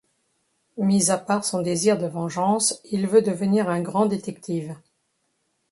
Mis à part son désir de vengeance il veut devenir un grand détective.